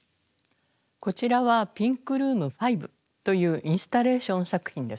こちらは「ピンクルーム５」というインスタレーション作品です。